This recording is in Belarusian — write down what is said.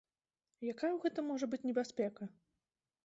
Якая ў гэтым можа быць небяспека?